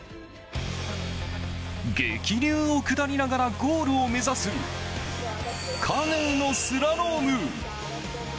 激流を下りながらゴールを目指すカヌーのスラローム。